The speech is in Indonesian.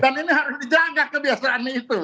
dan ini harus dijaga kebiasaan itu